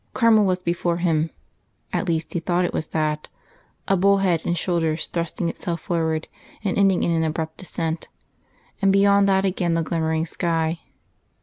Carmel was before him; at least he thought it was that a bull head and shoulders thrusting itself forward and ending in an abrupt descent, and beyond that again the glimmering sky.